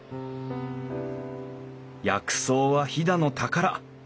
「薬草は飛騨の宝」。